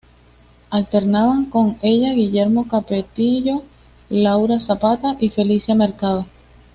Alternaban con ella Guillermo Capetillo, Laura Zapata y Felicia Mercado.